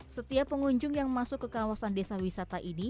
setiap pengunjung yang masuk ke kawasan desa wisata ini